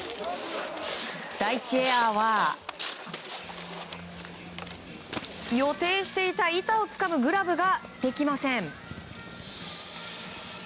第１エアは予定していた板をつかむグラブができません。